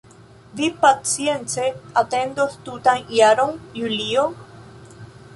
Vi pacience atendos tutan jaron, Julio?